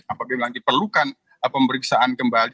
apabila memang diperlukan pemeriksaan kembali